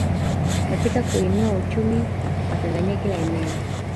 Katika kuuinua uchumi wa Tanzania kila eneo